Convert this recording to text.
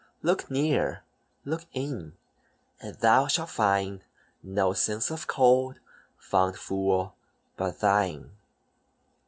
Look near, look in, and thou shalt find No sense of cold, fond fool, but thine!"